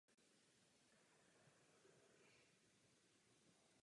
Narodil se v Rusku v Moskevské oblasti.